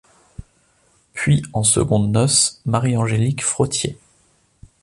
Puis en secondes noces Marie-Angèlique Frotié.